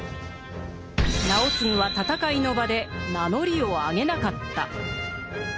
直次は戦いの場で名乗りをあげなかった。